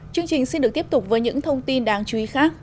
chương trình xin được tiếp tục với những thông tin đáng chú ý khác